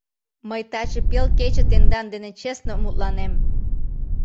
Мый таче пел кече тендан дене честно мутланем.